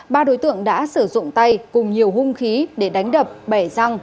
ba đối tượng đã sử dụng tay cùng nhiều hung khí để đánh đập bể răng